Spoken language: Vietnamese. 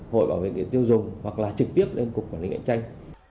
hội bảo vệ tiêu dùng hoặc là trực tiếp lên cục quản lý cạnh tranh